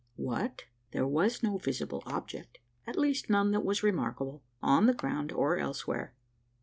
What? There was no visible object at least, none that was remarkable on the ground, or elsewhere!